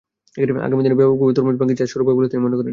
আগামী দিনে ব্যাপকভাবে তরমুজ-বাঙ্গি চাষ শুরু হবে বলে তিনি মনে করেন।